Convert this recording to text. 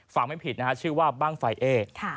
ฝากไม่ผิดนะฮะชื่อว่าบางฝรรย์เอค่ะ